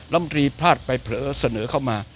ลำตรีพลาดไปเผลอเสนอเข้ามา